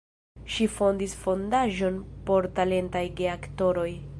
Ŝi fondis fondaĵon por talentaj geaktoroj.